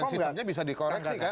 dan sistemnya bisa dikoreksi kan